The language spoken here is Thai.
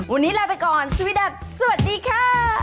วันนี้ลาไปก่อนชิคกี้พายสวัสดีค่ะ